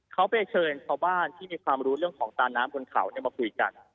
เขาไปเชิญชาวบ้านที่มีความรู้เรื่องของตาน้ำบนเขามาคุยกัน